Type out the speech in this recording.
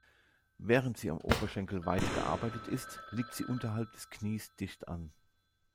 Während sie am Oberschenkel weit gearbeitet ist, liegt sie unterhalb des Knies dicht an.